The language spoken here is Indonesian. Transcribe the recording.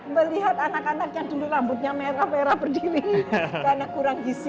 melihat anak anak yang dulu rambutnya merah merah berdiri karena kurang gizi